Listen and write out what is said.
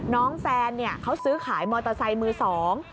แฟนเนี่ยเขาซื้อขายมอเตอร์ไซค์มือสอง